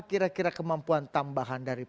kira kira kemampuan tambahan dari